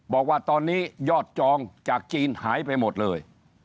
บอกว่าตอนนี้ยอดจองจากจีนหายไปหมดเลย